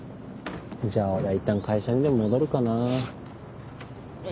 じゃあ俺はいったん会社にでも戻るかな。